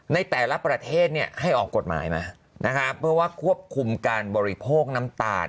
ในแต่ละประเทศเนี่ยให้ออกกฎหมายมานะครับเพื่อว่าควบคุมการบริโภคน้ำตาล